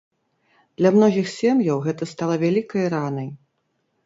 Для многіх сем'яў гэта стала вялікай ранай.